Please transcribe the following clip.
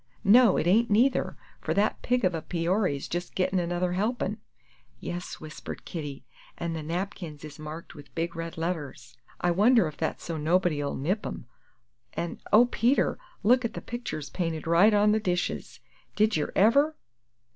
No, it ain't neither, for that pig of a Peory's just gittin' another helpin'!" "Yes," whispered Kitty, "an' the napkins is marked with big red letters. I wonder if that's so nobody 'll nip 'em; an' oh, Peter, look at the pictures painted right on ter the dishes. Did yer ever!"